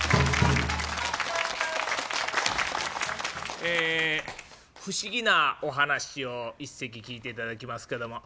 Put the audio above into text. ええ不思議なお噺を一席聴いていただきますけども。